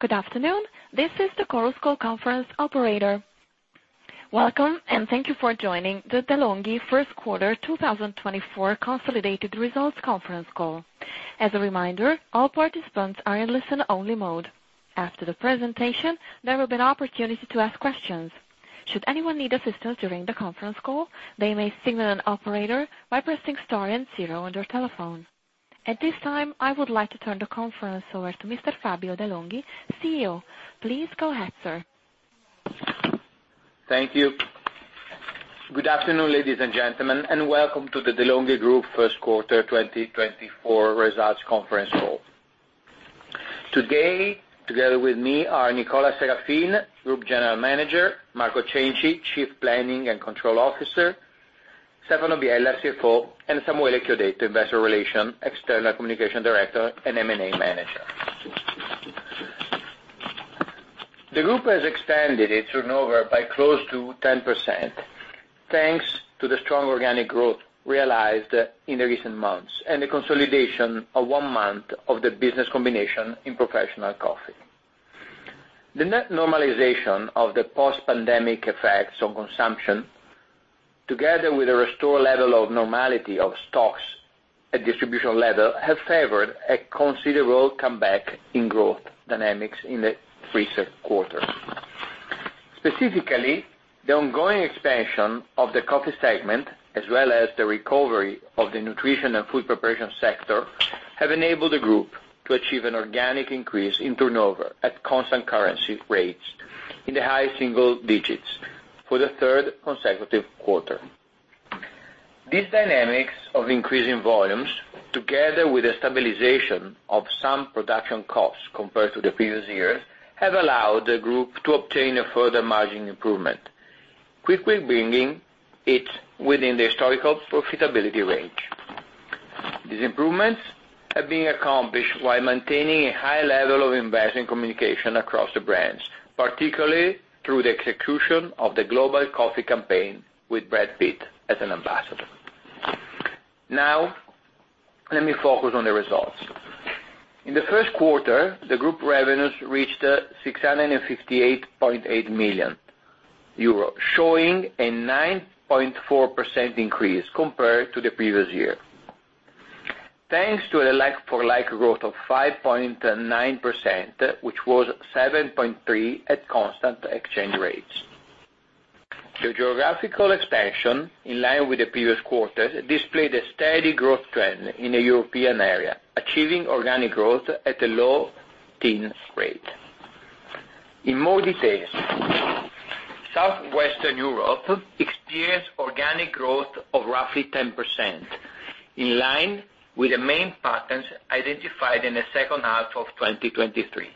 Good afternoon. This is the Chorus Call operator. Welcome, and thank you for joining the De'Longhi First Quarter 2024 Consolidated Results Conference call. As a reminder, all participants are in listen-only mode. After the presentation, there will be an opportunity to ask questions. Should anyone need assistance during the conference call, they may signal an operator by pressing star and zero on their telephone. At this time, I would like to turn the conference over to Mr. Fabio De'Longhi, CEO. Please go ahead, sir. Thank you. Good afternoon, ladies and gentlemen, and welcome to the De'Longhi Group First Quarter 2024 Results Conference call. Today, together with me are Nicola Serafin, Group General Manager, Marco Cenci, Chief Planning and Control Officer, Stefano Biella, CFO, and Samuele Chiodetto, Investor Relations, External Communication Director and M&A Manager. The group has extended its turnover by close to 10% thanks to the strong organic growth realized in the recent months and the consolidation of one month of the business combination in professional coffee. The net normalization of the post-pandemic effects on consumption, together with a restored level of normality of stocks at distribution level, have favored a considerable comeback in growth dynamics in the recent quarter. Specifically, the ongoing expansion of the coffee segment, as well as the recovery of the nutrition and food preparation sector, have enabled the group to achieve an organic increase in turnover at constant currency rates in the high single digits for the third consecutive quarter. These dynamics of increasing volumes, together with a stabilization of some production costs compared to the previous years, have allowed the group to obtain a further margin improvement, quickly bringing it within the historical profitability range. These improvements have been accomplished while maintaining a high level of investment communication across the brands, particularly through the execution of the global coffee campaign with Brad Pitt as an ambassador. Now, let me focus on the results. In the first quarter, the group revenues reached 658.8 million euro, showing a 9.4% increase compared to the previous year, thanks to a like-for-like growth of 5.9%, which was 7.3% at constant exchange rates. The geographical expansion, in line with the previous quarters, displayed a steady growth trend in the European area, achieving organic growth at a low-teens rate. In more detail, Southwestern Europe experienced organic growth of roughly 10%, in line with the main patterns identified in the second half of 2023.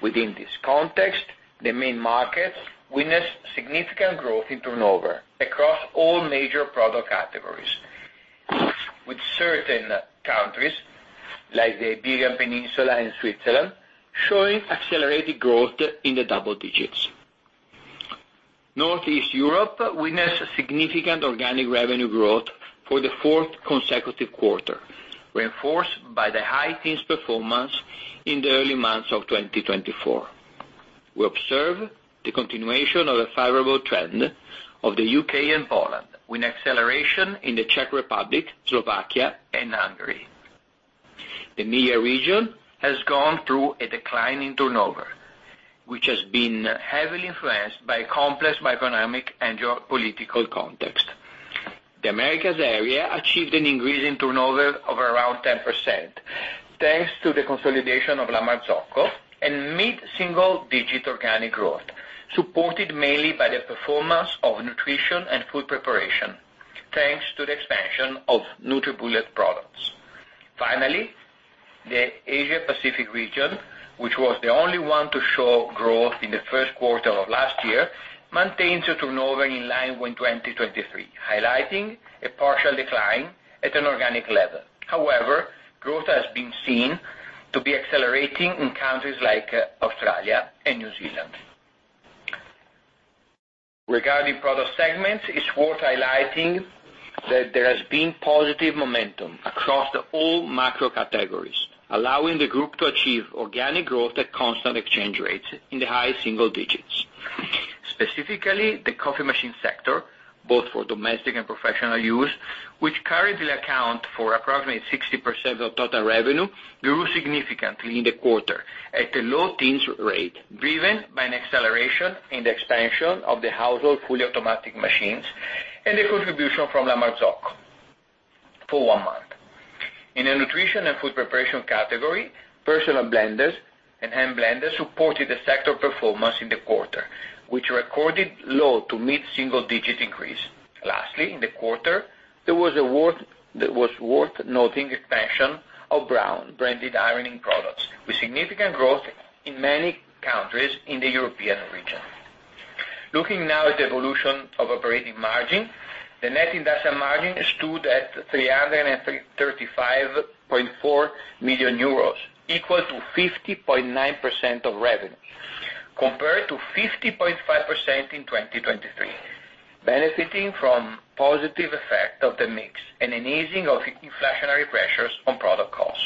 Within this context, the main markets witnessed significant growth in turnover across all major product categories, with certain countries like the Iberian Peninsula and Switzerland showing accelerated growth in the double digits. Northeast Europe witnessed significant organic revenue growth for the fourth consecutive quarter, reinforced by the high-teens performance in the early months of 2024. We observe the continuation of a favorable trend of the UK and Poland, with acceleration in the Czech Republic, Slovakia, and Hungary. The MEIA region has gone through a decline in turnover, which has been heavily influenced by a complex macroeconomic and geopolitical context. The Americas area achieved an increase in turnover of around 10% thanks to the consolidation of La Marzocco and mid-single-digit organic growth, supported mainly by the performance of nutrition and food preparation, thanks to the expansion of NutriBullet products. Finally, the Asia-Pacific region, which was the only one to show growth in the first quarter of last year, maintains a turnover in line with 2023, highlighting a partial decline at an organic level. However, growth has been seen to be accelerating in countries like Australia and New Zealand. Regarding product segments, it's worth highlighting that there has been positive momentum across all macro categories, allowing the group to achieve organic growth at constant exchange rates in the high single digits. Specifically, the coffee machine sector, both for domestic and professional use, which currently accounts for approximately 60% of total revenue, grew significantly in the quarter at a low teens rate, driven by an acceleration in the expansion of the household fully automatic machines and the contribution from La Marzocco for one month. In the nutrition and food preparation category, personal blenders and hand blenders supported the sector performance in the quarter, which recorded low- to mid-single-digit increase. Lastly, in the quarter, it's worth noting expansion of Braun branded ironing products, with significant growth in many countries in the European region. Looking now at the evolution of operating margin, the net industrial margin stood at 335.4 million euros, equal to 50.9% of revenue, compared to 50.5% in 2023, benefiting from the positive effect of the mix and an easing of inflationary pressures on product costs.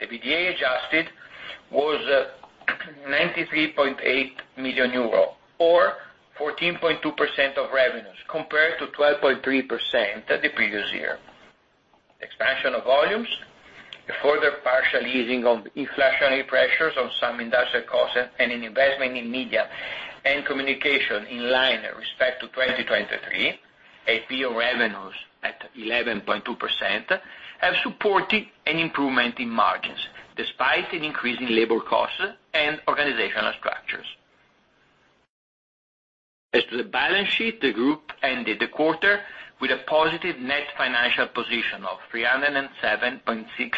The Adjusted EBITDA was 93.8 million euro, or 14.2% of revenues, compared to 12.3% the previous year. Expansion of volumes, a further partial easing of inflationary pressures on some industrial costs, and an investment in media and communication in line with respect to 2023, A&P revenues at 11.2%, have supported an improvement in margins despite an increase in labor costs and organizational structures. As to the balance sheet, the group ended the quarter with a positive net financial position of 307.6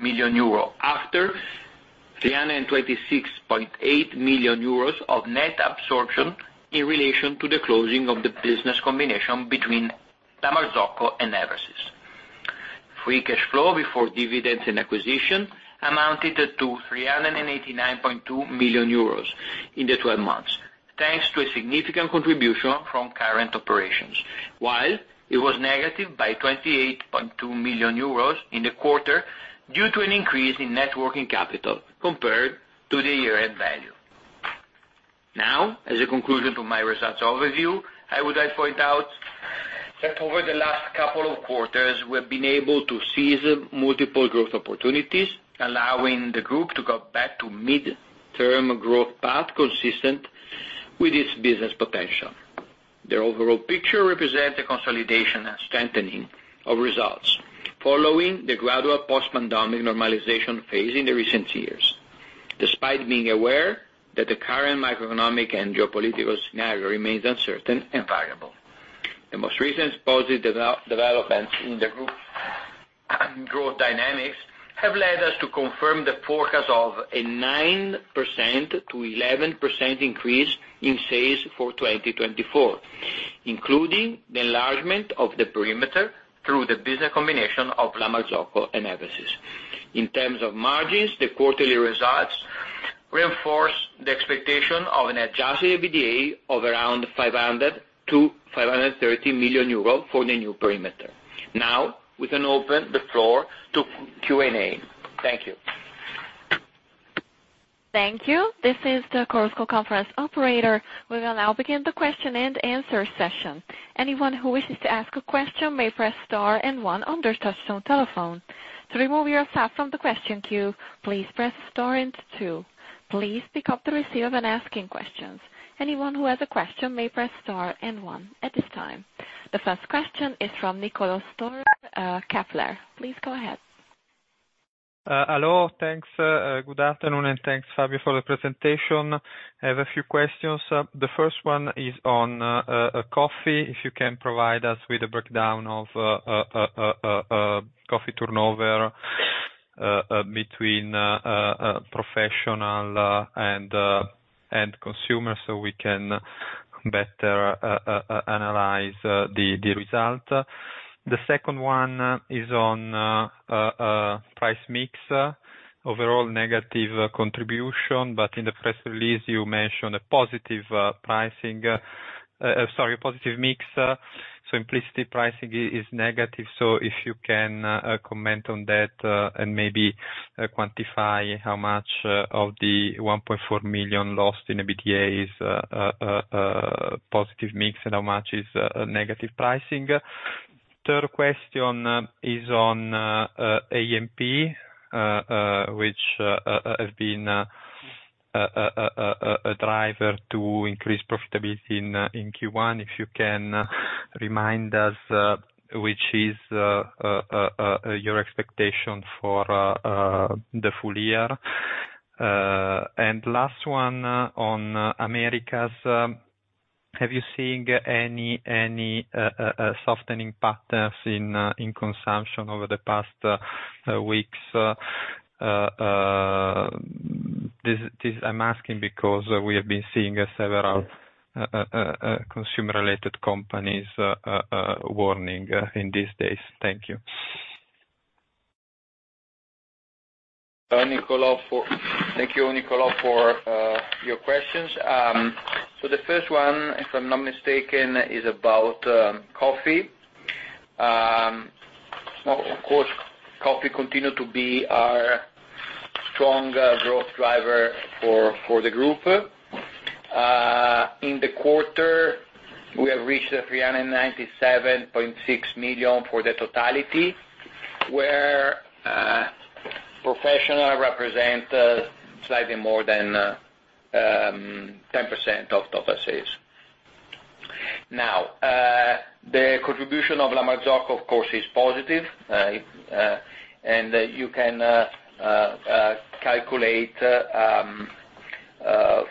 million euro, after 326.8 million euros of net absorption in relation to the closing of the business combination between La Marzocco and Eversys. Free cash flow before dividends and acquisition amounted to 389.2 million euros in the 12 months, thanks to a significant contribution from current operations, while it was negative by 28.2 million euros in the quarter due to an increase in net working capital, compared to the year-end value. Now, as a conclusion to my results overview, I would like to point out that over the last couple of quarters, we have been able to seize multiple growth opportunities, allowing the group to go back to a mid-term growth path consistent with its business potential. The overall picture represents a consolidation and strengthening of results, following the gradual post-pandemic normalization phase in the recent years, despite being aware that the current microeconomic and geopolitical scenario remains uncertain and variable. The most recent positive developments in the group's growth dynamics have led us to confirm the forecast of a 9%-11% increase in sales for 2024, including the enlargement of the perimeter through the business combination of La Marzocco and Eversys. In terms of margins, the quarterly results reinforce the expectation of an adjusted EBITDA of around 500 million-530 million euros for the new perimeter. Now, we can open the floor to Q&A. Thank you. Thank you. This is the Chorus Call operator. We will now begin the question-and-answer session. Anyone who wishes to ask a question may press star and one on their touch-tone telephone. To remove yourself from the question queue, please press star and two. Please pick up the receiver when asking questions. Anyone who has a question may press star and one at this time. The first question is from Niccolò Storer, Kepler Cheuvreux. Please go ahead. Hello. Thanks. Good afternoon, and thanks, Fabio, for the presentation. I have a few questions. The first one is on coffee, if you can provide us with a breakdown of coffee turnover between professionals and consumers so we can better analyze the result. The second one is on price mix. Overall, negative contribution, but in the press release, you mentioned a positive pricing sorry, a positive mix. So implicitly pricing is negative. So if you can comment on that and maybe quantify how much of the 1.4 million lost in EBITDA is positive mix and how much is negative pricing. The third question is on A&P, which has been a driver to increase profitability in Q1, if you can remind us, which is your expectation for the full year. And last one, on Americas. Have you seen any softening patterns in consumption over the past weeks? I'm asking because we have been seeing several consumer-related companies warning in these days. Thank you. Thank you, Niccolò, for your questions. So the first one, if I'm not mistaken, is about coffee. Of course, coffee continues to be our strong growth driver for the group. In the quarter, we have reached 397.6 million for the totality, where professionals represent slightly more than 10% of total sales. Now, the contribution of La Marzocco, of course, is positive, and you can calculate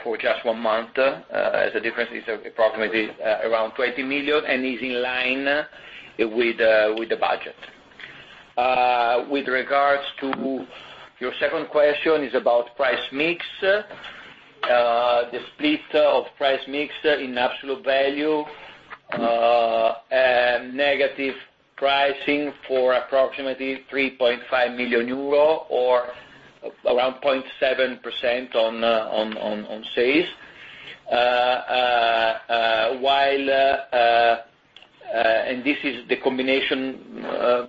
for just one month as the difference is approximately around 20 million and is in line with the budget. With regards to your second question, it's about price mix, the split of price mix in absolute value, negative pricing for approximately 3.5 million euro, or around 0.7% on sales, while and this is the combination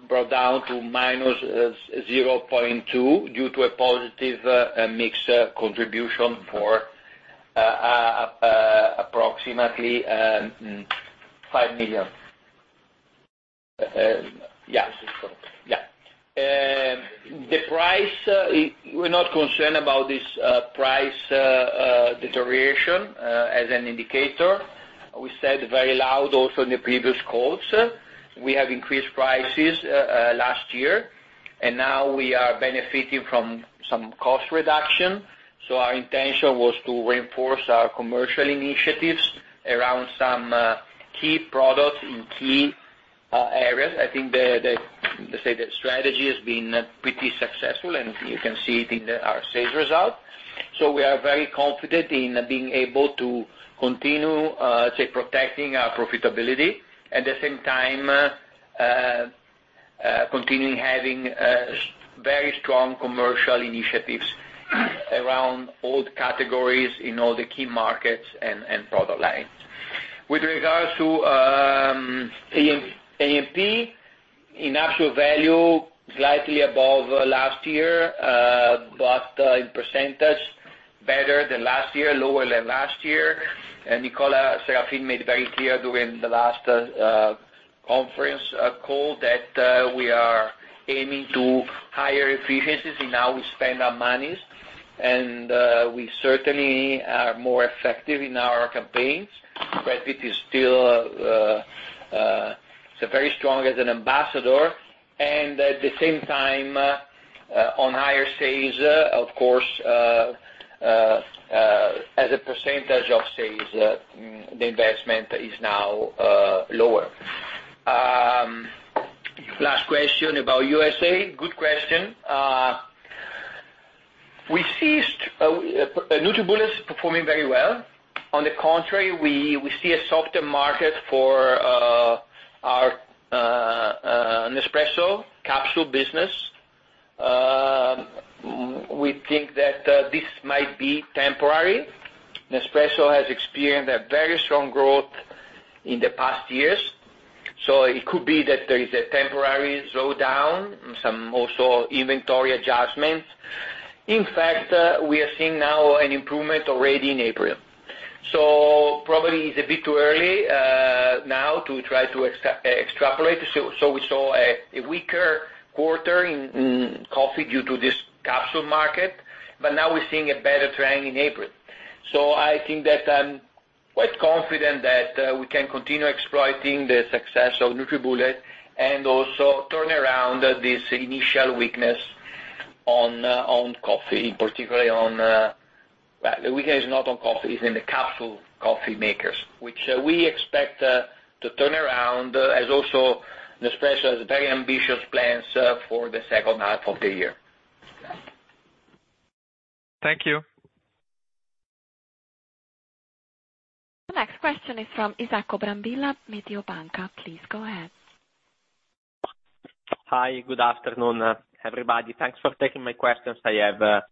brought down to -0.2% due to a positive mix contribution for approximately EUR 5 million. Yeah. This is correct. Yeah. We're not concerned about this price deterioration as an indicator. We said very loud also in the previous calls, we have increased prices last year, and now we are benefiting from some cost reduction. So our intention was to reinforce our commercial initiatives around some key products in key areas. I think, let's say, the strategy has been pretty successful, and you can see it in our sales results. So we are very confident in being able to continue, let's say, protecting our profitability at the same time continuing having very strong commercial initiatives around all categories in all the key markets and product lines. With regards to A&P, in absolute value, slightly above last year, but in percentage, better than last year, lower than last year. And Nicola Serafin made very clear during the last conference call that we are aiming to higher efficiencies in how we spend our money, and we certainly are more effective in our campaigns. Brad Pitt is still very strong as an ambassador. And at the same time, on higher sales, of course, as a percentage of sales, the investment is now lower. Last question about USA. Good question. We see NutriBullet performing very well. On the contrary, we see a softer market for our Nespresso capsule business. We think that this might be temporary. Nespresso has experienced a very strong growth in the past years. So it could be that there is a temporary slowdown, some also inventory adjustments. In fact, we are seeing now an improvement already in April. So probably it's a bit too early now to try to extrapolate. So we saw a weaker quarter in coffee due to this capsule market, but now we're seeing a better trend in April. So I think that I'm quite confident that we can continue exploiting the success of NutriBullet and also turn around this initial weakness on coffee, particularly—well, the weakness is not on coffee. It's in the capsule coffee makers, which we expect to turn around as also Nespresso has very ambitious plans for the second half of the year. Thank you. The next question is from Isacco Brambilla, Mediobanca. Please go ahead. Hi. Good afternoon, everybody. Thanks for taking my questions. I have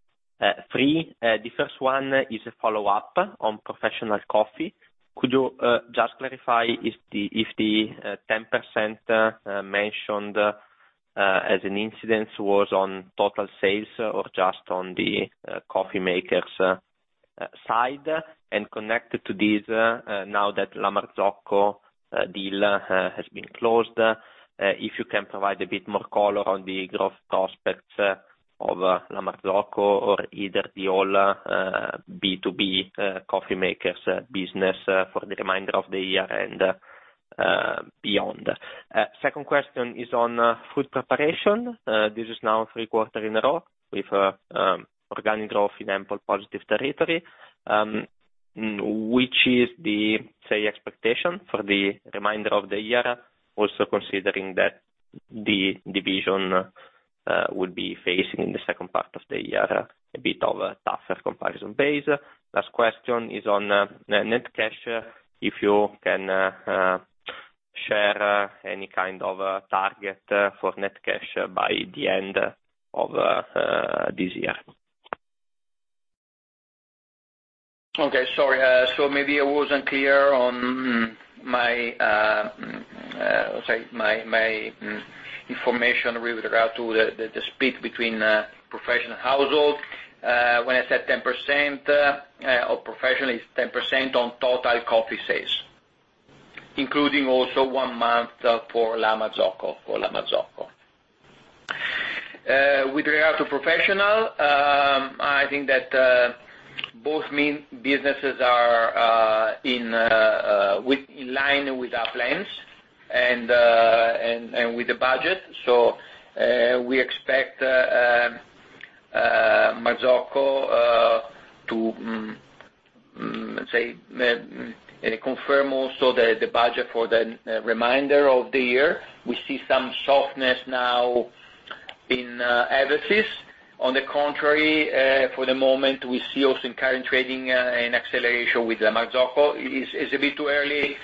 three. The first one is a follow-up on professional coffee. Could you just clarify if the 10% mentioned as an incidence was on total sales or just on the coffee makers side? Connected to this, now that La Marzocco deal has been closed, if you can provide a bit more color on the growth prospects of La Marzocco or either the whole B2B coffee makers business for the remainder of the year and beyond. Second question is on food preparation. This is now three quarters in a row with organic growth in ample positive territory, which is the, say, expectation for the remainder of the year, also considering that the division would be facing in the second part of the year a bit of a tougher comparison base. Last question is on net cash. If you can share any kind of target for net cash by the end of this year? Okay. Sorry. So maybe I wasn't clear on my sorry, my information with regard to the split between professional and household. When I said 10% of professional, it's 10% on total coffee sales, including also one month for La Marzocco for La Marzocco. With regard to professional, I think that both businesses are in line with our plans and with the budget. So we expect La Marzocco to, let's say, confirm also the budget for the remainder of the year. We see some softness now in Eversys. On the contrary, for the moment, we see also in current trading an acceleration with La Marzocco. It's a bit too early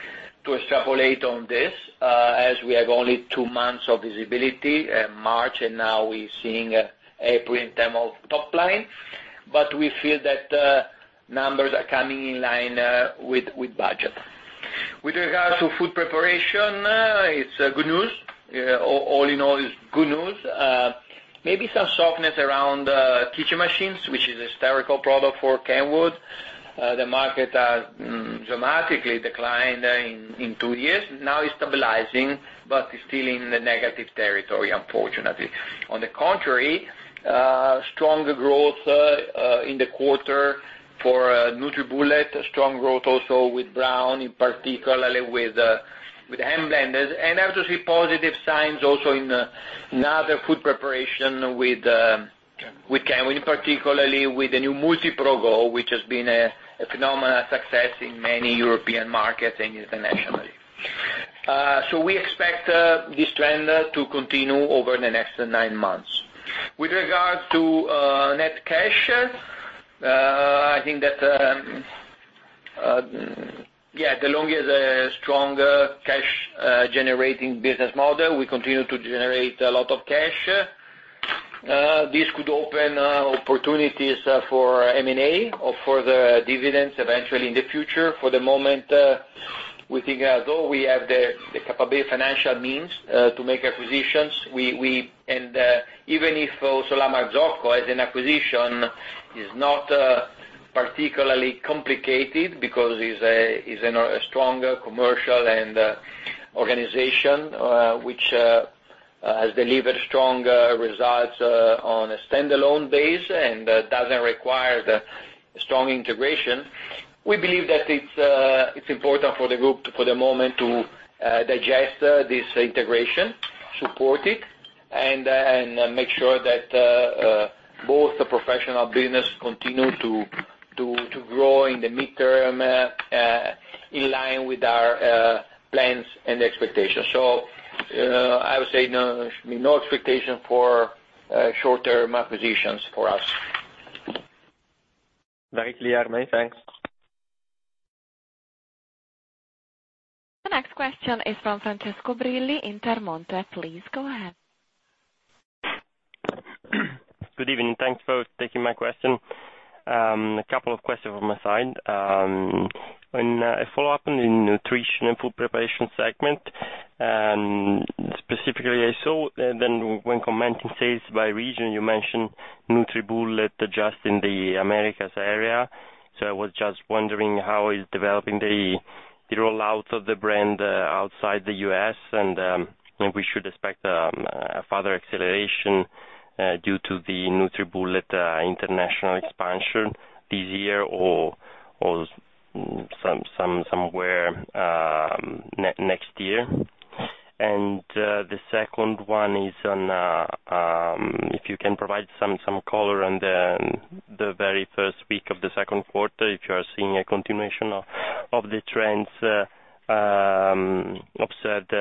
to extrapolate on this as we have only two months of visibility, March, and now we're seeing April in terms of top line. But we feel that numbers are coming in line with budget. With regard to food preparation, it's good news. All in all, it's good news. Maybe some softness around kitchen machines, which is a historical product for Kenwood. The market has dramatically declined in two years. Now it's stabilizing, but it's still in the negative territory, unfortunately. On the contrary, stronger growth in the quarter for NutriBullet, strong growth also with Braun, in particular with the hand blenders. And I have to see positive signs also in other food preparation with Kenwood, particularly with the new MultiPro Go, which has been a phenomenal success in many European markets and internationally. So we expect this trend to continue over the next nine months. With regard to net cash, I think that, yeah, the longer, the stronger cash-generating business model, we continue to generate a lot of cash. This could open opportunities for M&A or for the dividends eventually in the future. For the moment, we think, although we have the capability financial means to make acquisitions, we and even if also La Marzocco as an acquisition is not particularly complicated because it's a stronger commercial organization, which has delivered strong results on a standalone basis and doesn't require the strong integration, we believe that it's important for the group, for the moment, to digest this integration, support it, and make sure that both the professional business continue to grow in the mid-term in line with our plans and expectations. So I would say no expectation for short-term acquisitions for us. Very clear, mate. Thanks. The next question is from Francesco Brilli in Intermonte. Please go ahead. Good evening. Thanks for taking my question. A couple of questions from my side. A follow-up on the nutrition and food preparation segment. Specifically, I saw then when commenting sales by region, you mentioned NutriBullet just in the Americas area. So I was just wondering how it's developing the rollout of the brand outside the U.S., and if we should expect a further acceleration due to the NutriBullet international expansion this year or somewhere next year. The second one is on if you can provide some color on the very first week of the second quarter, if you are seeing a continuation of the trends observed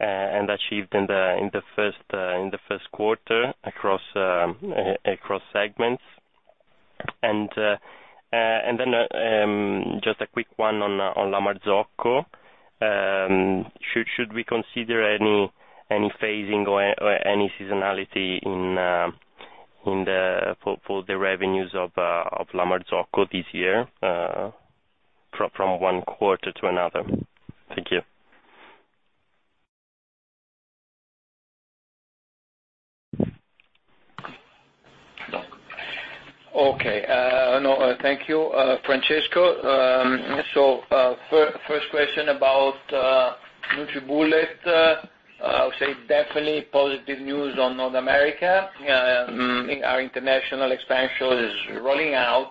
and achieved in the first quarter across segments. Then just a quick one on La Marzocco. Should we consider any phasing or any seasonality for the revenues of La Marzocco this year from one quarter to another? Thank you. Okay. No, thank you, Francesco. So first question about NutriBullet. I would say definitely positive news on North America. Our international expansion is rolling out.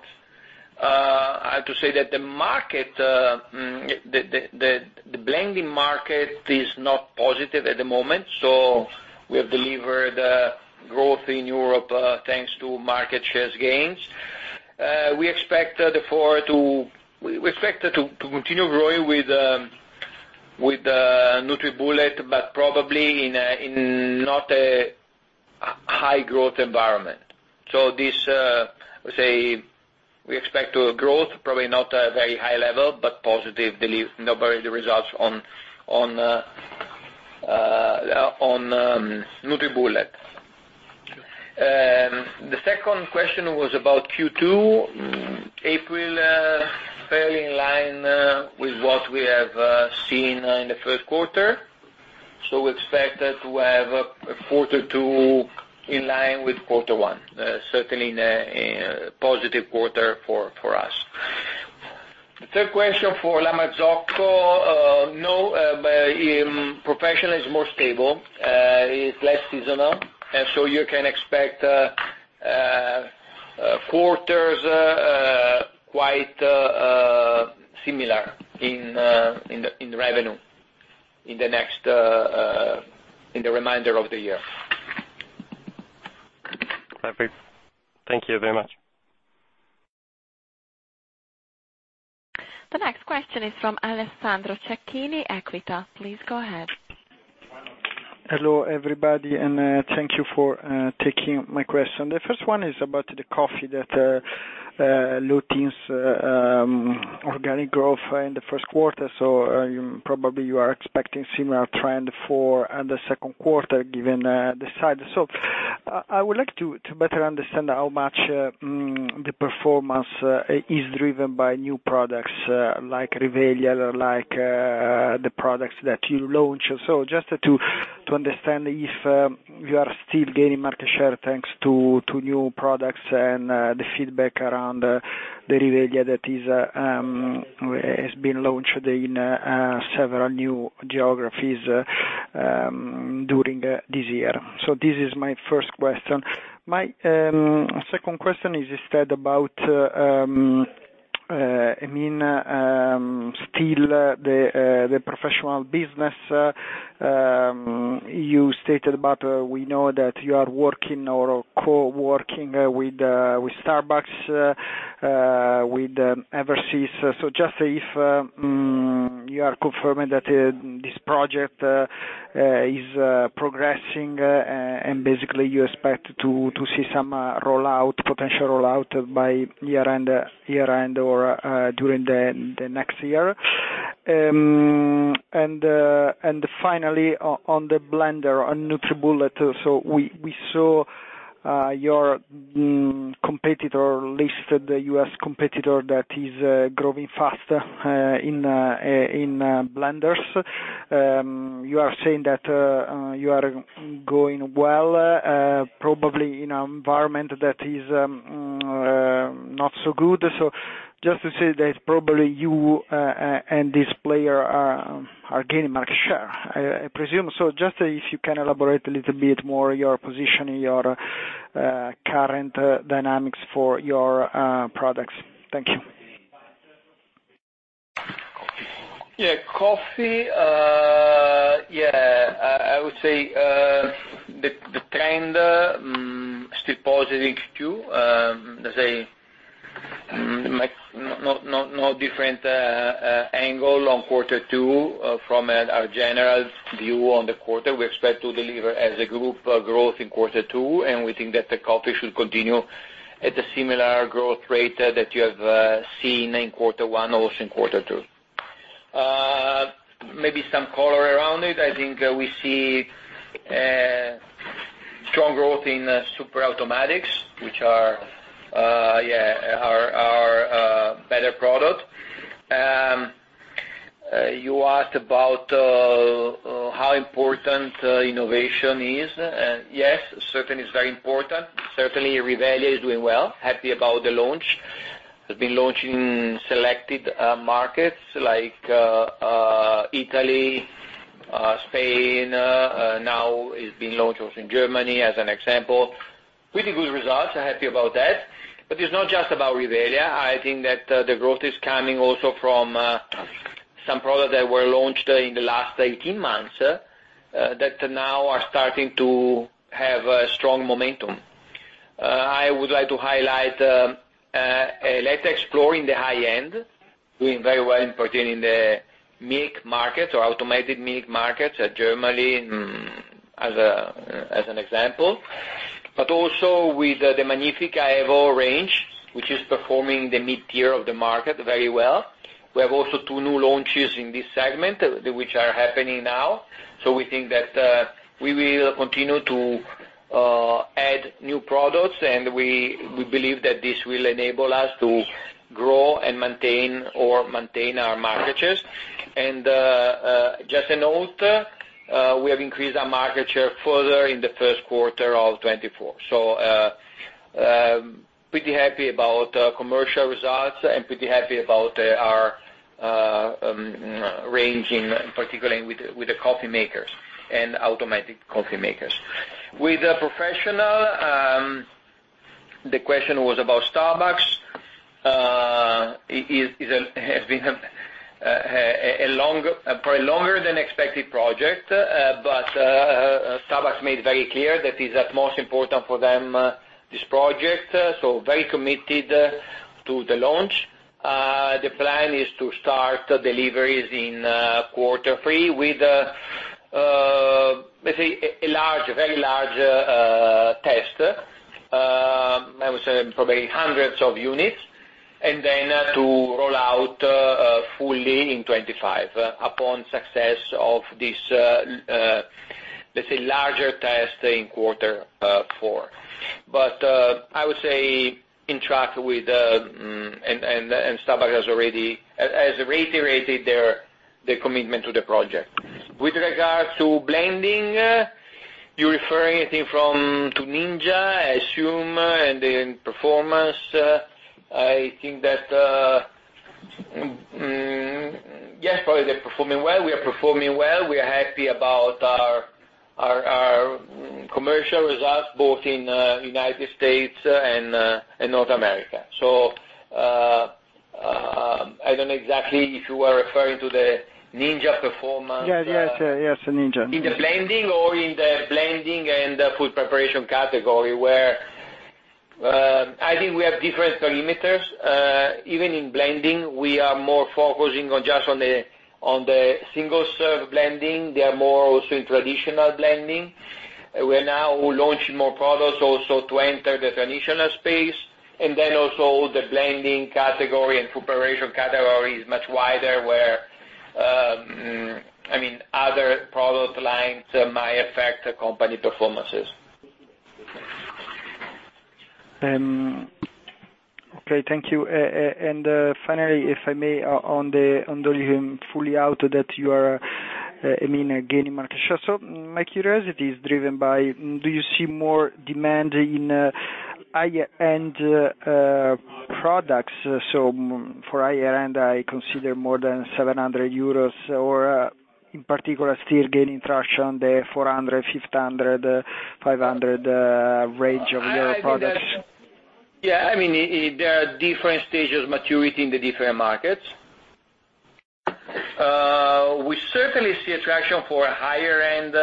I have to say that the market, the blending market, is not positive at the moment. So we have delivered growth in Europe thanks to market share gains. We expect, therefore, to continue growing with NutriBullet, but probably not in a high-growth environment. So this, I would say, we expect growth, probably not a very high level, but positive results on NutriBullet. The second question was about Q2. April fairly in line with what we have seen in the first quarter. So we expect to have a quarter two in line with quarter one. Certainly a positive quarter for us. The third question for La Marzocco. No, professional is more stable. It's less seasonal. You can expect quarters quite similar in revenue in the remainder of the year. Perfect. Thank you very much. The next question is from Alessandro Cecchini, Equita. Please go ahead. Hello, everybody, and thank you for taking my question. The first one is about the coffee segment's organic growth in the first quarter. So probably you are expecting similar trend for the second quarter given the size. So I would like to better understand how much the performance is driven by new products like Rivelia or like the products that you launch. So just to understand if you are still gaining market share thanks to new products and the feedback around the Rivelia that has been launched in several new geographies during this year. So this is my first question. My second question is instead about, I mean, still the professional business. You stated about we know that you are working or co-working with Starbucks, with Eversys. So just if you are confirming that this project is progressing and basically you expect to see some rollout, potential rollout by year-end or during the next year. And finally, on the blender, on NutriBullet. So we saw your competitor listed, the US competitor that is growing fast in blenders. You are saying that you are going well, probably in an environment that is not so good. So just to say that probably you and this player are gaining market share, I presume. So just if you can elaborate a little bit more your position, your current dynamics for your products. Thank you. Yeah. Coffee, yeah, I would say the trend still positive in Q2. Let's say no different angle on quarter two from our general view on the quarter. We expect to deliver as a group growth in quarter two, and we think that the coffee should continue at a similar growth rate that you have seen in quarter one or also in quarter two. Maybe some color around it. I think we see strong growth in super automatics, which are, yeah, our better product. You asked about how important innovation is. Yes, certainly it's very important. Certainly, Rivelia is doing well. Happy about the launch. Has been launching in selected markets like Italy, Spain. Now it's being launched also in Germany as an example. Pretty good results. I'm happy about that. But it's not just about Rivelia. I think that the growth is coming also from some products that were launched in the last 18 months that now are starting to have strong momentum. I would like to highlight the Eletta Explore in the high end. Doing very well particularly in the milk market or automated milk markets in Germany as an example. But also with the Magnifica Evo range, which is performing in the mid-tier of the market very well. We have also two new launches in this segment, which are happening now. So we think that we will continue to add new products, and we believe that this will enable us to grow and maintain our market shares. And just a note, we have increased our market share further in the first quarter of 2024. So pretty happy about commercial results and pretty happy about our ranging, particularly with the coffee makers and automatic coffee makers. With Professional, the question was about Starbucks. It has been probably a longer-than-expected project, but Starbucks made very clear that it's the most important for them this project. So very committed to the launch. The plan is to start deliveries in quarter three with, let's say, a large, very large test, I would say probably hundreds of units, and then to roll out fully in 2025 upon success of this, let's say, larger test in quarter four. But I would say on track with and Starbucks has already reiterated their commitment to the project. With regard to blending, you're referring to Ninja, I assume, and then performance. I think that, yes, probably they're performing well. We are performing well. We are happy about our commercial results both in the United States and North America. So I don't know exactly if you were referring to the Ninja performance. Yes, yes, yes. The Ninja. In the blending or in the blending and food preparation category where I think we have different parameters. Even in blending, we are more focusing just on the single-serve blending. They are more also in traditional blending. We are now launching more products also to enter the traditional space. And then also the blending category and food preparation category is much wider where, I mean, other product lines might affect company performance. Okay. Thank you. And finally, if I may, on the fully automatic that you are, I mean, gaining market share. So my curiosity is driven by do you see more demand in high-end products? So for high-end, I consider more than 700 euros or in particular still gaining traction on the 400, 500, 500 range of your products. Yeah. I mean, there are different stages of maturity in the different markets. We certainly see attraction for higher-end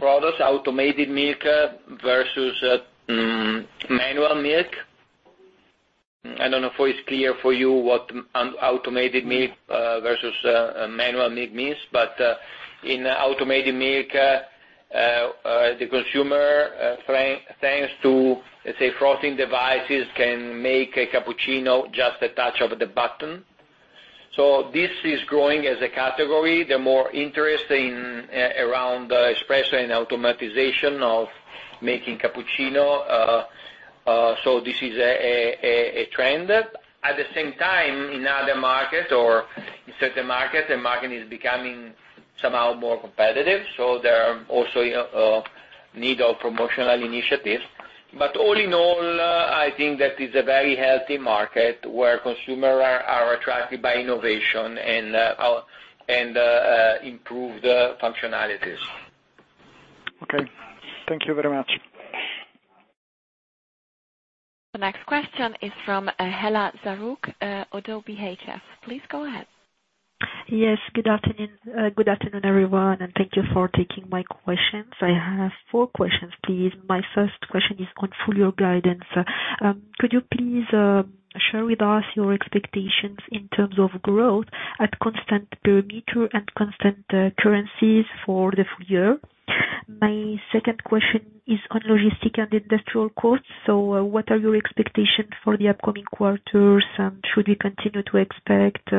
products, automated milk versus manual milk. I don't know if it's clear for you what automated milk versus manual milk means, but in automated milk, the consumer, thanks to, let's say, frothing devices, can make a cappuccino just a touch of the button. So this is growing as a category. There's more interest around espresso and automation of making cappuccino. So this is a trend. At the same time, in other markets or in certain markets, the market is becoming somehow more competitive. So there are also need of promotional initiatives. But all in all, I think that it's a very healthy market where consumers are attracted by innovation and improved functionalities. Okay. Thank you very much. The next question is from Hela Zarrouk, Oddo BHF. Please go ahead. Yes. Good afternoon, everyone, and thank you for taking my questions. I have four questions, please. My first question is on full year guidance. Could you please share with us your expectations in terms of growth at constant perimeter and constant currencies for the full year? My second question is on logistics and industrial costs. So what are your expectations for the upcoming quarters, and should we continue to expect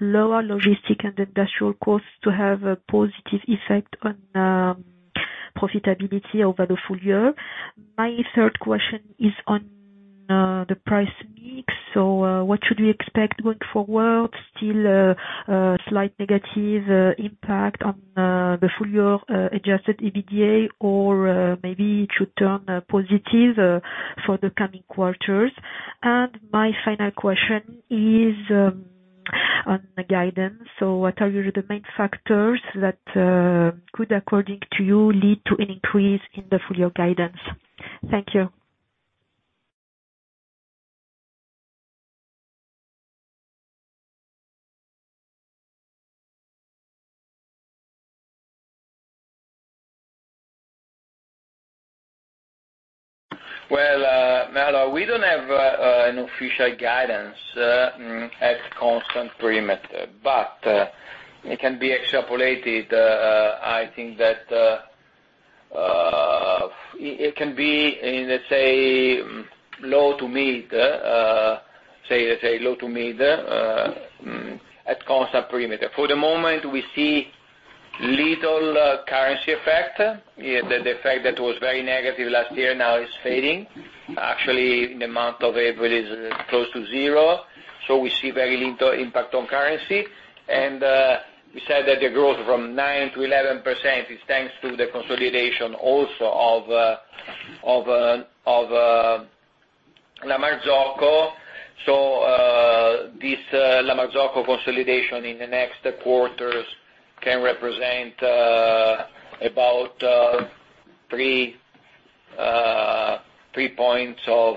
lower logistics and industrial costs to have a positive effect on profitability over the full year? My third question is on the price mix. So what should we expect going forward? Still a slight negative impact on the full year Adjusted EBITDA, or maybe it should turn positive for the coming quarters? And my final question is on guidance. So what are the main factors that could, according to you, lead to an increase in the full year guidance? Thank you. Well, Hela, we don't have an official guidance at constant perimeter, but it can be extrapolated. I think that it can be, let's say, low to mid, say, let's say, low to mid at constant perimeter. For the moment, we see little currency effect. The effect that was very negative last year now is fading. Actually, in the month of April, it's close to zero. So we see very little impact on currency. And we said that the growth from 9%-11% is thanks to the consolidation also of La Marzocco. So this La Marzocco consolidation in the next quarters can represent about 3 points of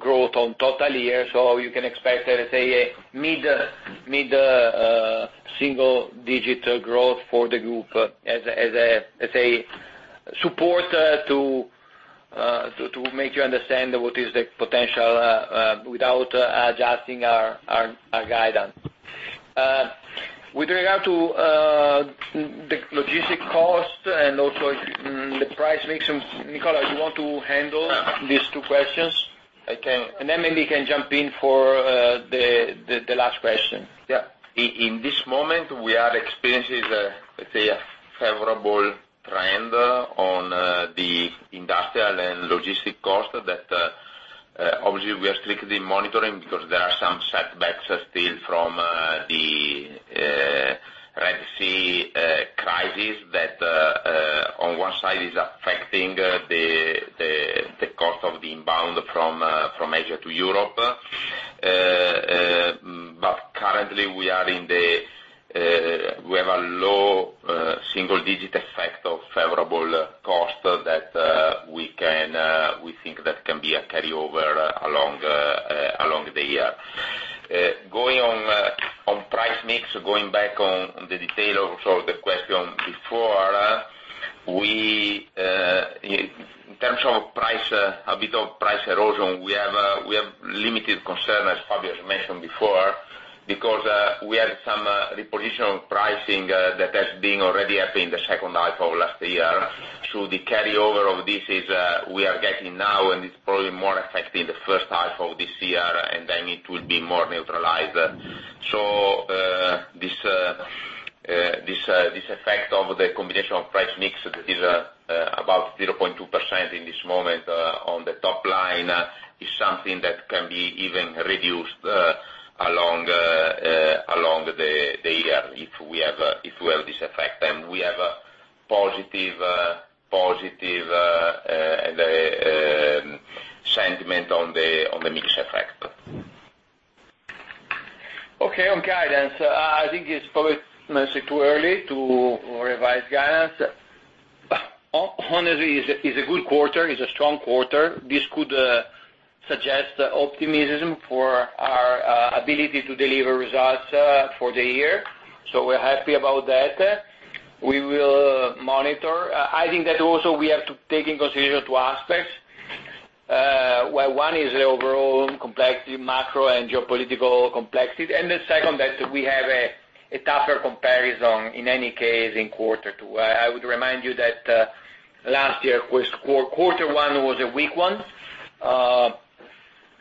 growth on total year. So you can expect, let's say, a mid-single-digit growth for the group as a support to make you understand what is the potential without adjusting our guidance. With regard to the logistic cost and also the price mix, Nicola, do you want to handle these two questions? And then maybe you can jump in for the last question. Yeah. In this moment, we are experiencing, let's say, a favorable trend on the industrial and logistic cost that, obviously, we are strictly monitoring because there are some setbacks still from the Red Sea crisis that, on one side, is affecting the cost of the inbound from Asia to Europe. But currently, we have a low single-digit effect of favorable cost that we think that can be a carryover along the year. Going on price mix, going back on the detail of the question before, in terms of a bit of price erosion, we have limited concern, as Fabio has mentioned before, because we have some reposition of pricing that has been already happening in the second half of last year. So the carryover of this is we are getting now, and it's probably more affecting the first half of this year, and then it will be more neutralized. So this effect of the combination of price mix that is about 0.2% in this moment on the top line is something that can be even reduced along the year if we have this effect. And we have a positive sentiment on the mix effect. Okay. On guidance, I think it's probably too early to revise guidance. Honestly, it's a good quarter. It's a strong quarter. This could suggest optimism for our ability to deliver results for the year. So we're happy about that. We will monitor. I think that also we have to take in consideration two aspects. One is the overall macro and geopolitical complexity. And the second, that we have a tougher comparison in any case in quarter two. I would remind you that last year, quarter one was a weak one,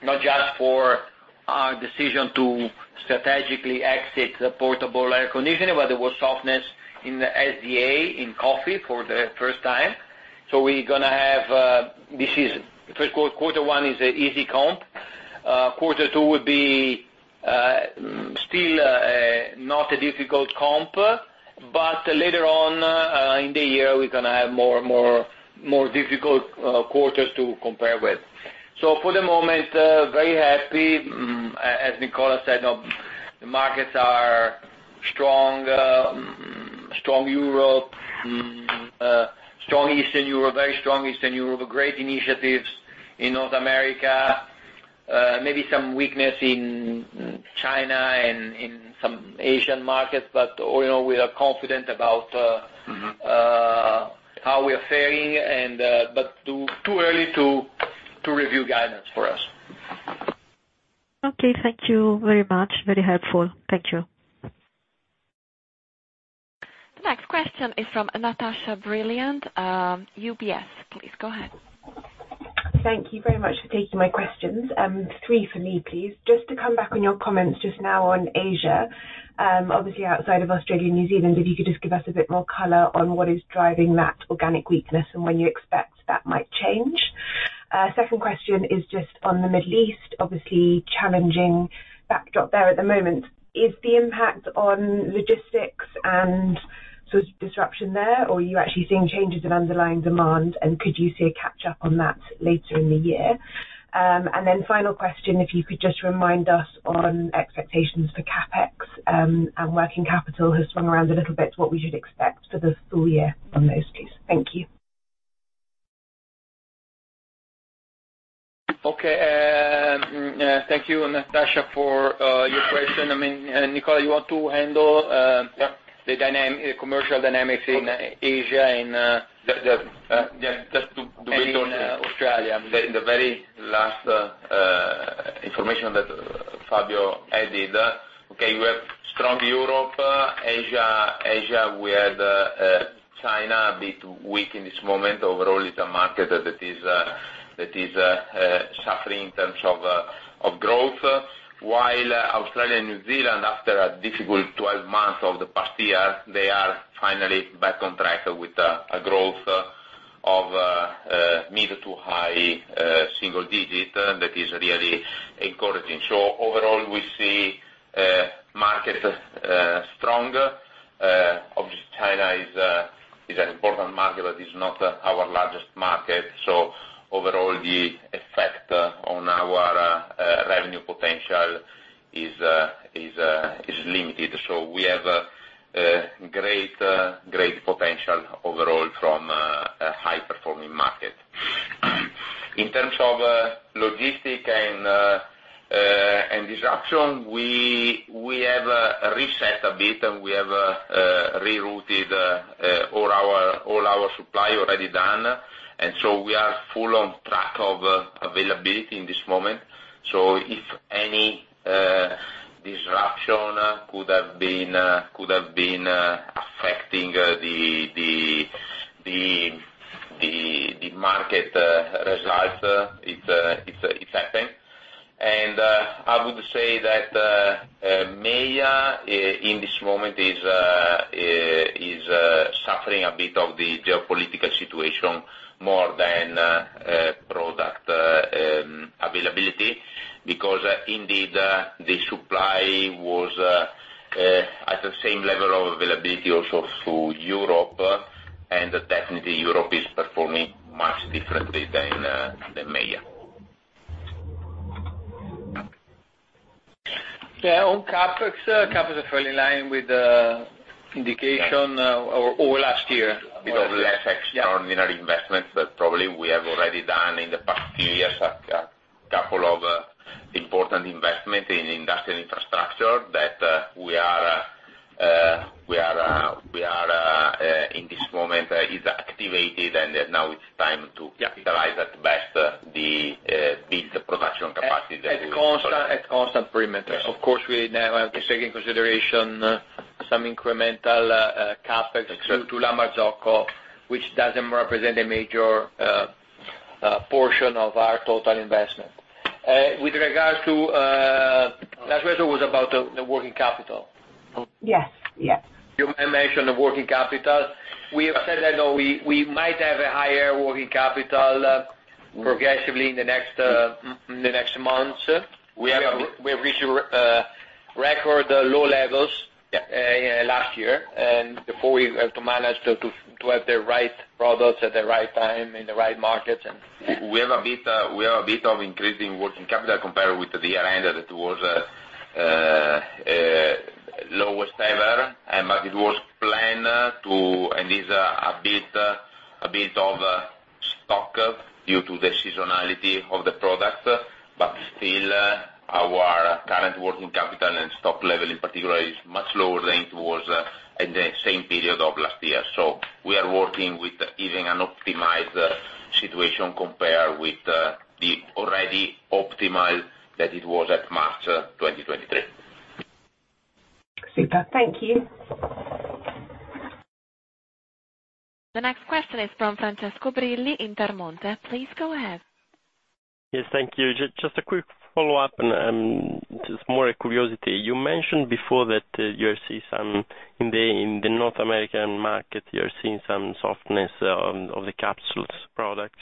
not just for our decision to strategically exit the portable air conditioning, but there was softness in the SDA in coffee for the first time. So we're going to have this: quarter one is an easy comp. Quarter two would be still not a difficult comp, but later on in the year, we're going to have more difficult quarters to compare with. So for the moment, very happy. As Nicola said, the markets are strong: strong Europe, strong Eastern Europe, very strong Eastern Europe, great initiatives in North America, maybe some weakness in China and in some Asian markets. But all in all, we are confident about how we are faring, but too early to review guidance for us. Okay. Thank you very much. Very helpful. Thank you. The next question is from Natasha Brilliant, UBS. Please go ahead. Thank you very much for taking my questions. Three for me, please. Just to come back on your comments just now on Asia, obviously, outside of Australia and New Zealand, if you could just give us a bit more color on what is driving that organic weakness and when you expect that might change. Second question is just on the Middle East, obviously, challenging backdrop there at the moment. Is the impact on logistics and sort of disruption there, or are you actually seeing changes in underlying demand, and could you see a catch-up on that later in the year? And then final question, if you could just remind us on expectations for CapEx. And working capital has swung around a little bit. What we should expect for the full year on those, please? Thank you. Okay. Thank you, Natasha, for your question. I mean, Nicola, do you want to handle the commercial dynamics in Asia and the. Yeah. Just to be totally honest. Australia. I mean, the very last information that Fabio added, okay, we have strong Europe. Asia, we have China a bit weak in this moment. Overall, it's a market that is suffering in terms of growth. While Australia and New Zealand, after a difficult 12 months of the past year, they are finally back on track with a growth of mid- to high-single-digit that is really encouraging. So overall, we see market strong. Obviously, China is an important market, but it's not our largest market. So overall, the effect on our revenue potential is limited. So we have great potential overall from a high-performing market. In terms of logistics and disruption, we have reset a bit, and we have rerouted all our supply already done. And so we are fully on track of availability in this moment. If any disruption could have been affecting the market result, it's happening. I would say that MEIA in this moment is suffering a bit of the geopolitical situation more than product availability because, indeed, the supply was at the same level of availability also through Europe. Definitely, Europe is performing much differently than MEIA. Yeah. On CapEx, CapEx is fairly in line with the indication over last year. We have less extraordinary investments that probably we have already done in the past few years, a couple of important investments in industrial infrastructure that we are in this moment is activated, and now it's time to capitalize at best, build the production capacity that we have. At constant perimeter. Of course, we now have to take into consideration some incremental CapEx due to La Marzocco, which doesn't represent a major portion of our total investment. With regard to last question was about the working capital. Yes. Yes. You may mention the working capital. We have said that, no, we might have a higher working capital progressively in the next months. We have reached record low levels last year. Therefore, we have to manage to have the right products at the right time in the right markets. We have a bit of increasing working capital compared with the year ended. It was lowest ever, but it was planned to and it's a bit of stock due to the seasonality of the product. But still, our current working capital and stock level, in particular, is much lower than it was in the same period of last year. So we are working with even an optimized situation compared with the already optimal that it was at March 2023. Super. Thank you. The next question is from Francesco Brilli in Intermonte. Please go ahead. Yes. Thank you. Just a quick follow-up, and it's more a curiosity. You mentioned before that you are seeing some in the North American market, you are seeing some softness of the capsules products.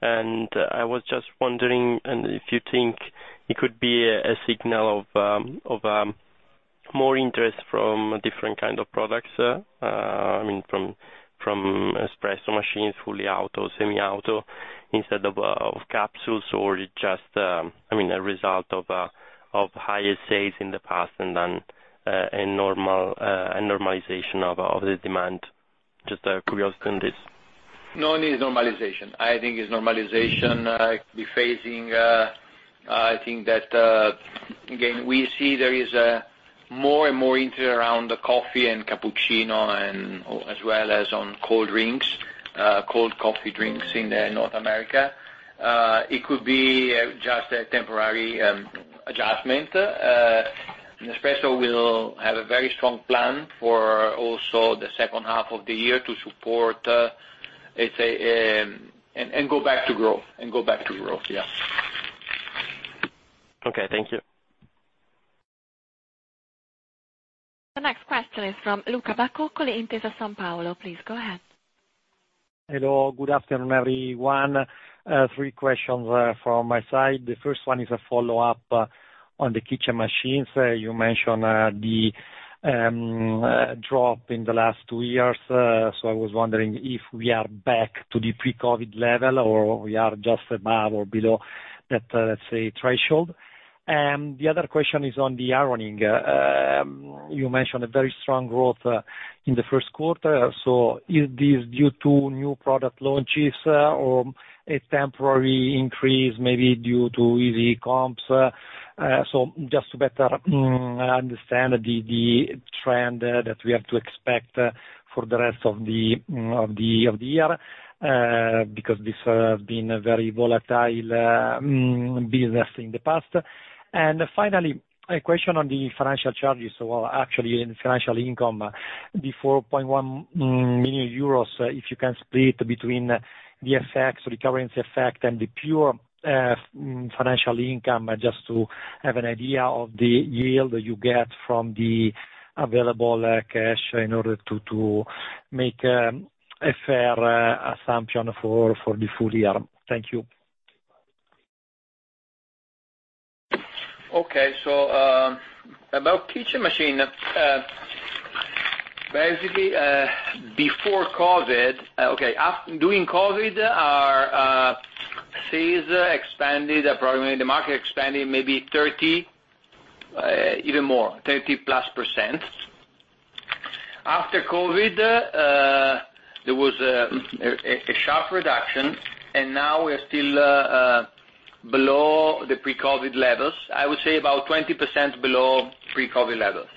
And I was just wondering if you think it could be a signal of more interest from different kinds of products, I mean, from espresso machines, fully auto, semi-auto instead of capsules, or it's just, I mean, a result of higher sales in the past and normalization of the demand. Just a curiosity on this. No, it is normalization. I think it's normalization. It could be phasing. I think that, again, we see there is more and more interest around coffee and cappuccino as well as on cold drinks, cold coffee drinks in North America. It could be just a temporary adjustment. Nespresso will have a very strong plan for also the second half of the year to support and go back to growth, and go back to growth. Yeah. Okay. Thank you. The next question is from Luca Bacoccoli in Intesa Sanpaolo. Please go ahead. Hello. Good afternoon, everyone. Three questions from my side. The first one is a follow-up on the kitchen machines. You mentioned the drop in the last two years. So I was wondering if we are back to the pre-COVID level or we are just above or below that, let's say, threshold. And the other question is on the ironing. You mentioned a very strong growth in the first quarter. So is this due to new product launches or a temporary increase maybe due to easy comps? So just to better understand the trend that we have to expect for the rest of the year because this has been a very volatile business in the past. And finally, a question on the financial charges, or actually, the financial income. The 4.1 million euros, if you can split between the effects, recurrence effect, and the pure financial income, just to have an idea of the yield you get from the available cash in order to make a fair assumption for the full year. Thank you. Okay. So about kitchen machine, basically, before COVID, okay, during COVID, our sales expanded approximately the market expanded maybe 30, even more, 30+%. After COVID, there was a sharp reduction, and now we are still below the pre-COVID levels, I would say about 20% below pre-COVID levels.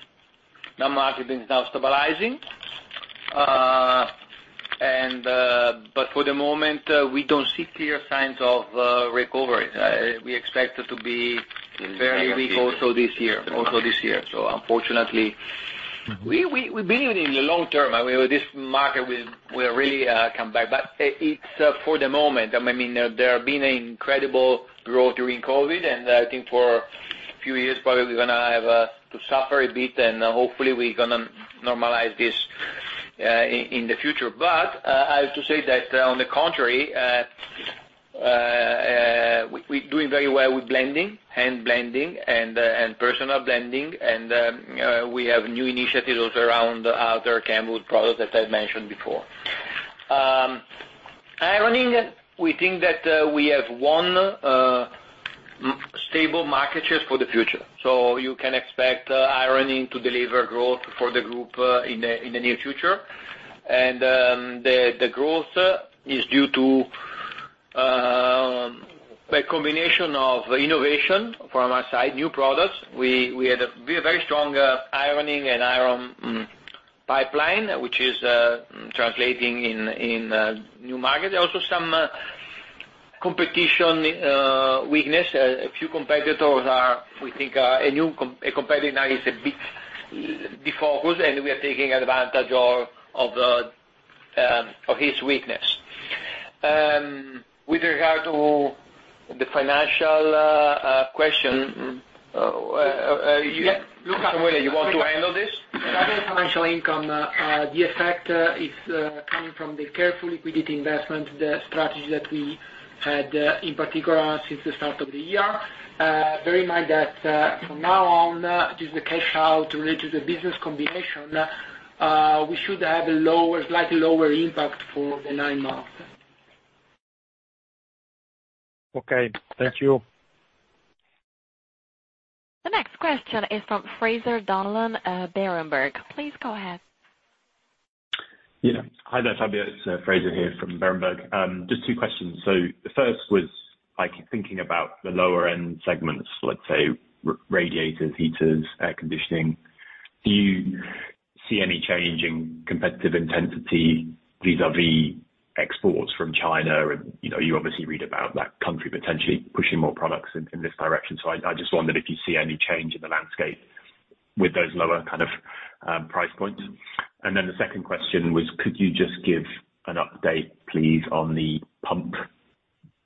Now, market is now stabilizing. But for the moment, we don't see clear signs of recovery. We expect it to be fairly weak also this year, also this year. So unfortunately, we've been in the long term. I mean, this market will really come back. But for the moment, I mean, there have been incredible growth during COVID, and I think for a few years, probably, we're going to have to suffer a bit, and hopefully, we're going to normalize this in the future. But I have to say that, on the contrary, we're doing very well with blending, hand blending, and personal blending. And we have new initiatives also around other Kenwood products that I've mentioned before. Ironing, we think that we have a stable market share for the future. So you can expect ironing to deliver growth for the group in the near future. And the growth is due to a combination of innovation from our side, new products. We have a very strong ironing and iron pipeline, which is translating in new markets. Also, some competition weakness. A few competitors, we think, a competitor now is a bit defocused, and we are taking advantage of his weakness. With regard to the financial question, Samuele, you want to handle this? Yeah. Financial income, the effect is coming from the careful liquidity investment, the strategy that we had, in particular, since the start of the year. Bear in mind that from now on, just the cash out related to the business combination, we should have a slightly lower impact for the nine months. Okay. Thank you. The next question is from Fraser Donlon Berenberg. Please go ahead. Yeah. Hi there, Fabio. It's Fraser here from Berenberg. Just two questions. So the first was thinking about the lower-end segments, let's say, radiators, heaters, air conditioning. Do you see any change in competitive intensity vis-à-vis exports from China? And you obviously read about that country potentially pushing more products in this direction. So I just wondered if you see any change in the landscape with those lower kind of price points. And then the second question was, could you just give an update, please, on the pump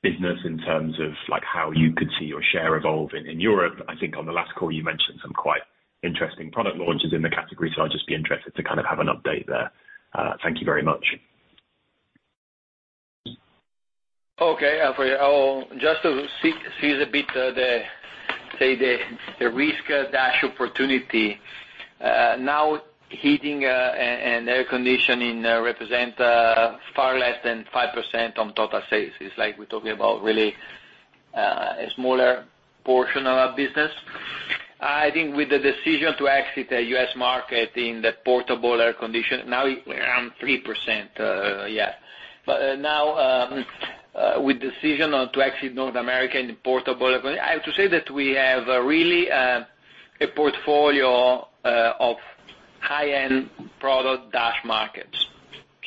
business in terms of how you could see your share evolving in Europe? I think on the last call, you mentioned some quite interesting product launches in the category, so I'd just be interested to kind of have an update there. Thank you very much. Okay. I'll just size up a bit the, say, the risk-opportunity. Now, heating and air conditioning represent far less than 5% on total sales. It's like we're talking about really a smaller portion of our business. I think with the decision to exit the U.S. market in the portable air conditioning, now we're around 3%. Yeah. But now, with the decision to exit North America in the portable air conditioning, I have to say that we have really a portfolio of high-end product-markets.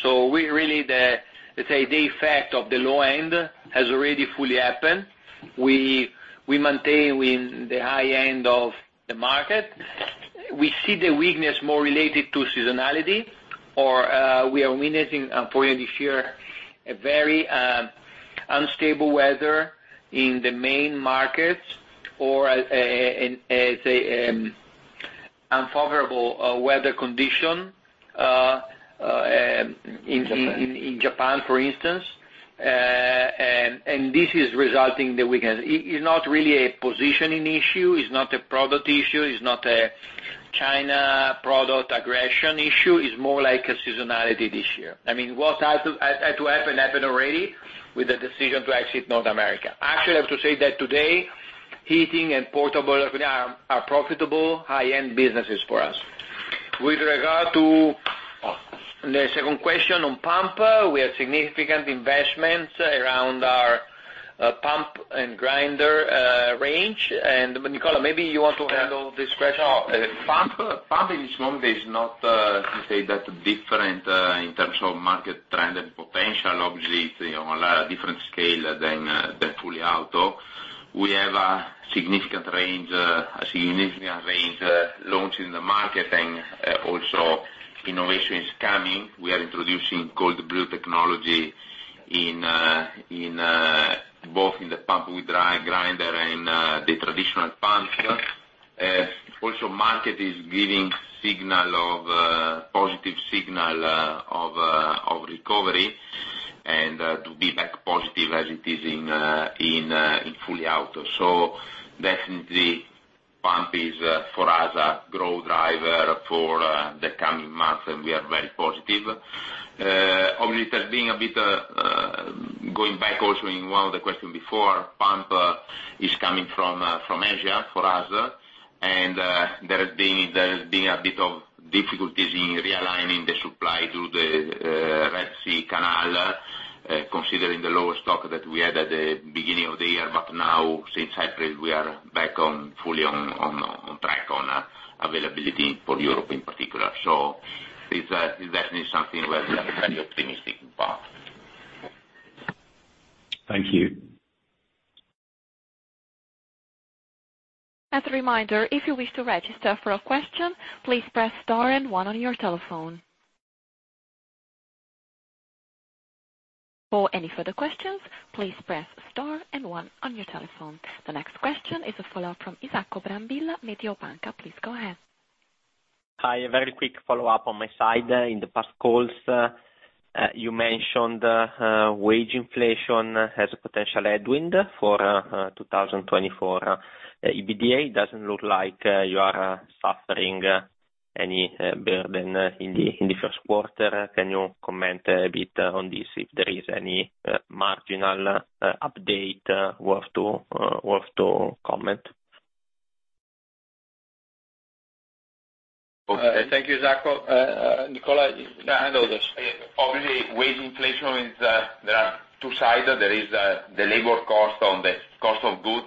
So really, let's say, the effect of the low end has already fully happened. We maintain in the high end of the market. We see the weakness more related to seasonality, or we are witnessing, unfortunately, this year, very unstable weather in the main markets or, say, unfavorable weather condition in Japan, for instance. And this is resulting in the weakness. It's not really a positioning issue. It's not a product issue. It's not a China product aggression issue. It's more like a seasonality this year. I mean, what had to happen, happened already with the decision to exit North America. Actually, I have to say that today, heating and portable are profitable, high-end businesses for us. With regard to the second question on pump, we have significant investments around our pump and grinder range. Nicola, maybe you want to handle this question. Pump, in this moment, is not, you say, that different in terms of market trend and potential. Obviously, it's on a lot of different scale than fully auto. We have a significant range launched in the market, and also innovation is coming. We are introducing Cold Brew technology both in the pump with grinder and the traditional pumps. Also, market is giving positive signal of recovery and to be back positive as it is in fully auto. So definitely, pump is, for us, a growth driver for the coming months, and we are very positive. Obviously, there's been a bit going back also in one of the questions before. Pump is coming from Asia for us, and there has been a bit of difficulties in realigning the supply through the Red Sea, considering the lower stock that we had at the beginning of the year. But now, since April, we are back fully on track on availability for Europe, in particular. So it's definitely something where we are very optimistic about. Thank you. As a reminder, if you wish to register for a question, please press star and one on your telephone. For any further questions, please press star and one on your telephone. The next question is a follow-up from Isacco Brambilla, Mediobanca. Please go ahead. Hi. A very quick follow-up on my side. In the past calls, you mentioned wage inflation has a potential headwind for 2024. EBITDA, it doesn't look like you are suffering any burden in the first quarter. Can you comment a bit on this if there is any marginal update worth to comment? Thank you, Isacco. Nicola, handle this. Obviously, wage inflation, there are two sides. There is the labor cost on the cost of goods.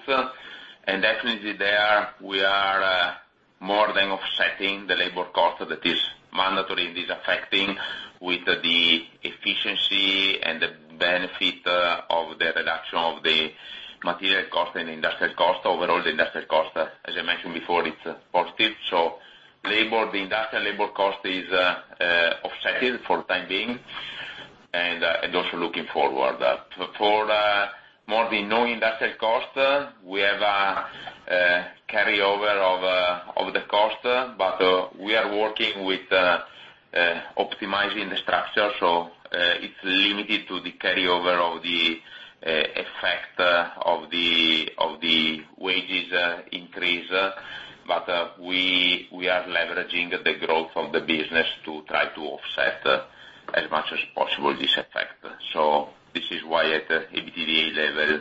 Definitely, there, we are more than offsetting the labor cost that is mandatory and is affecting with the efficiency and the benefit of the reduction of the material cost and industrial cost. Overall, the industrial cost, as I mentioned before, it's positive. The industrial labor cost is offset for the time being and also looking forward. For non-industrial cost, we have a carryover of the cost, but we are working with optimizing the structure. It's limited to the carryover of the effect of the wages increase, but we are leveraging the growth of the business to try to offset as much as possible this effect. This is why, at EBITDA level,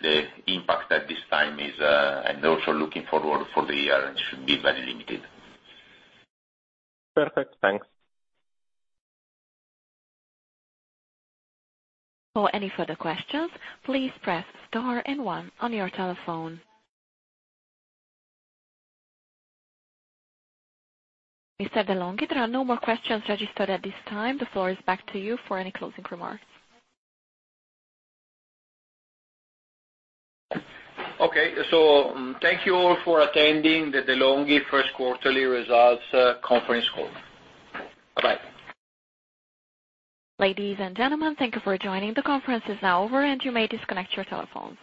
the impact at this time is and also looking forward for the year, it should be very limited. Perfect. Thanks. For any further questions, please press star and one on your telephone. Mr. De'Longhi, there are no more questions registered at this time. The floor is back to you for any closing remarks. Okay. Thank you all for attending the De'Longhi first quarterly results conference call. Bye-bye. Ladies and gentlemen, thank you for joining. The conference is now over, and you may disconnect your telephones.